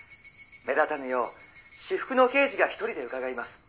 目立たぬよう私服の刑事が１人で伺います」